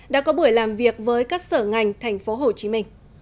đã có buổi làm việc với các sở ngành tp hcm